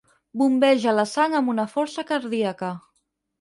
Bombeja la sang amb una força cardíaca.